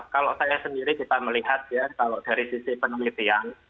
kalau saya sendiri kita melihat ya kalau dari sisi penelitian